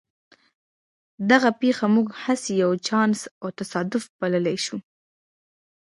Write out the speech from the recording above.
دغه پېښه موږ هسې یو چانس او تصادف بللای شو